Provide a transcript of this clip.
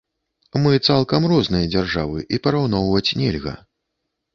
Мы цалкам розныя дзяржавы, і параўноўваць нельга.